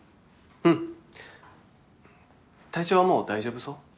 うん体調はもう大丈夫そう？